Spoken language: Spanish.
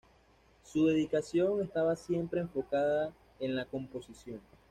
Su dedicación estaba siempre enfocada en la composición.